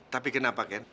tapi kenapa ken